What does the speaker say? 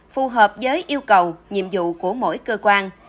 phù hợp với yêu cầu nhiệm vụ của mỗi cơ quan